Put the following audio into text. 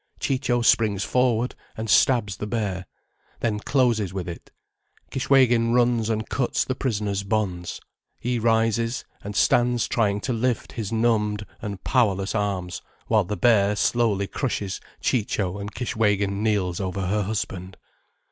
Ciccio springs forward and stabs the bear, then closes with it. Kishwégin runs and cuts the prisoner's bonds. He rises, and stands trying to lift his numbed and powerless arms, while the bear slowly crushes Ciccio, and Kishwégin kneels over her husband.